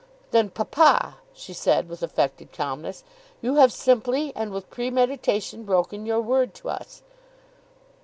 "Then, papa," she said, with affected calmness, "you have simply and with premeditation broken your word to us."